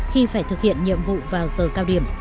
khi phải thực hiện nhiệm vụ vào giờ cao